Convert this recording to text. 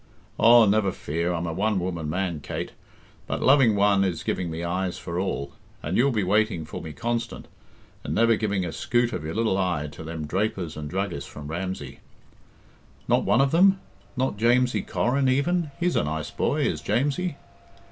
"Aw, never fear! I'm a one woman man, Kate; but loving one is giving me eyes for all. And you'll be waiting for me constant, and never giving a skute of your little eye to them drapers and druggists from Ramsey " "Not one of them? Not Jamesie Corrin, even he's a nice boy, is Jamesie."